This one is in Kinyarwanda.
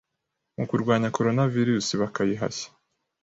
mu kurwanya coronavirus bakayihashya